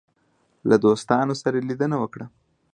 له دوستانو سره یې لیدنه وکړه.